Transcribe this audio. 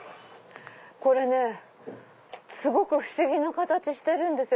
これねすごく不思議な形してるんですよ。